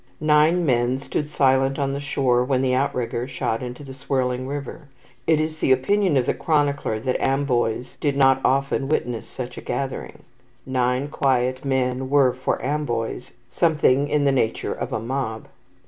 Nine men stood silent on the shore when the outrigger shot into the swirling river, and it is the opinion of the chronicler that Amboise "did not often witness such a gathering." Nine quiet men were, for Amboise, something in the nature of a mob.